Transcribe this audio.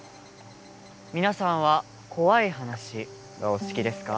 皆さんは怖い話はお好きですか？